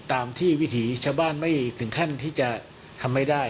ตามที่วิถีชาวบ้านไม่ถึงขั้นที่จะทำไม่ได้